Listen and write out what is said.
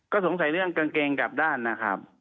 ก็สงสัยเรื่องกางเกงกลับด้านนะครับ